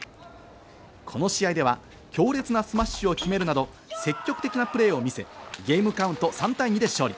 この試合では強烈なスマッシュを決めるなど積極的なプレーを見せ、ゲームカウント３対２で勝利。